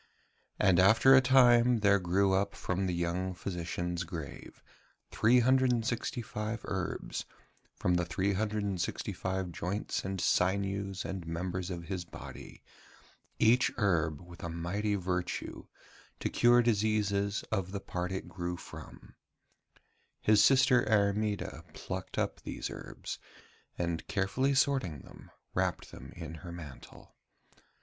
And after a time there grew up from the young physician's grave 365 herbs from the 365 joints and sinews and members of his body, each herb with mighty virtue to cure diseases of the part it grew from. His sister Airmeda plucked up these herbs, and carefully sorting them, wrapped them up in her mantle.